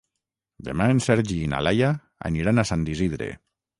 Demà en Sergi i na Laia aniran a Sant Isidre.